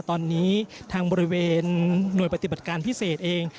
ตอนนี้ทางบริเวณหน่วยปฏิบัติการพิเศษเอง